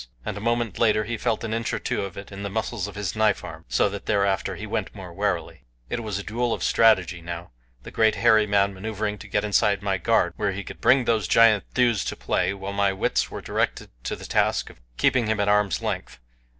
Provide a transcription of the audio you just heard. And a moment later he felt an inch or two of it in the muscles of his knife arm, so that thereafter he went more warily. It was a duel of strategy now the great, hairy man maneuvering to get inside my guard where he could bring those giant thews to play, while my wits were directed to the task of keeping him at arm's length.